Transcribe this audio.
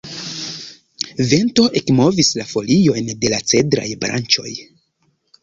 Vento ekmovis la foliojn de la cedraj branĉoj.